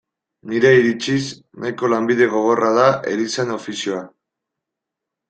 Nire iritziz, nahiko lanbide gogorra da erizain ofizioa.